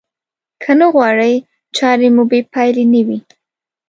که نه غواړئ چارې مو بې پايلې نه وي.